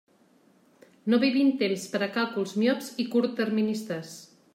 No vivim temps per a càlculs miops i curtterministes.